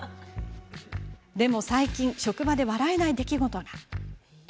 でも最近職場で笑えない出来事が。